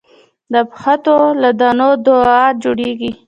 د اوبښتو له دانو دوا جوړېږي.